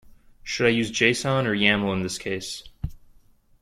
Should I use json or yaml in this case?